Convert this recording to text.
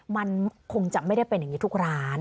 มันคงจะไม่ได้เป็นอย่างนี้ทุกร้าน